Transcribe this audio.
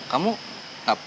jadi kamu gak perlu pergi